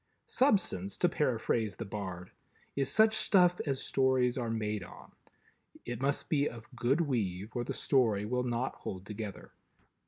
Substance, to paraphrase the Bard, is such stuff as Stories are made on. It must be of good weave, or the story will not hold together.